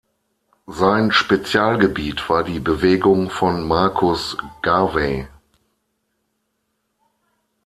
Sein Spezialgebiet war die Bewegung von Marcus Garvey.